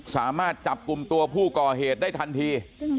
สามารถจับกลุ่มตัวผู้ก่อเหตุได้ทันที